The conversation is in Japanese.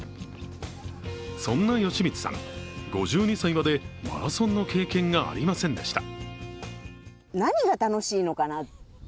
そんな吉光さん、５２歳までマラソンの経験がありませんでした。